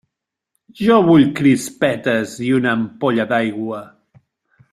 Jo vull crispetes i una ampolla d'aigua!